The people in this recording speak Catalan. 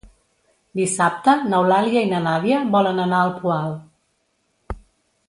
Dissabte n'Eulàlia i na Nàdia volen anar al Poal.